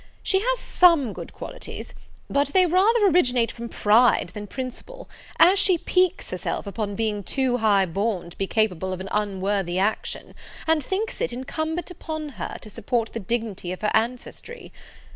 She has some good qualities; but they rather originate from pride than principle, as she piques herself upon being too high born to be capable of an unworthy action, and thinks it incumbent upon her to support the dignity of her ancestry.